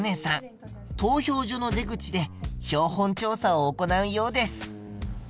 投票所の出口で標本調査を行うようです。